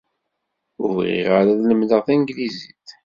Ur bɣiɣ ara ad lemdeɣ tanglizit.